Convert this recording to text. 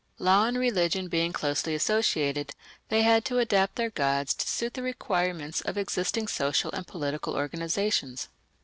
Law and religion being closely associated, they had to adapt their gods to suit the requirements of existing social and political organizations.